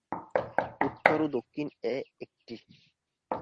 উত্তর ও দক্ষিণ এ একটি।